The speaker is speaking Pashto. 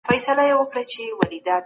هغه د خپلو ستونزو د حل غوښتنه وکړه.